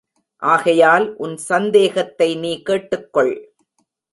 ஆகையால் உன் சந்தேகத்தை நீ கேட்டுக் கொள்.